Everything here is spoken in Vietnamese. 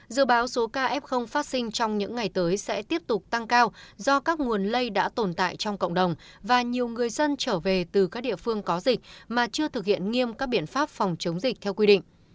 dự báo số ca f phát sinh trong những ngày tới sẽ tiếp tục tăng cao do các nguồn lây đã tồn tại trong cộng đồng và nhiều người dân trở về từ các địa phương có dịch mà chưa thực hiện nghiêm các biện pháp phòng chống dịch theo quy định